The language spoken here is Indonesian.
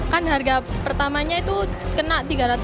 kan harga pertamanya itu kena tiga ratus empat puluh lima